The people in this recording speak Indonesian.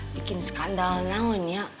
bikin skandal naon ya